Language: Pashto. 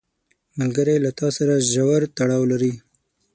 ملګری له تا سره ژور تړاو لري